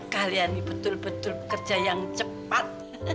kalian ini betul betul kerja yang cepat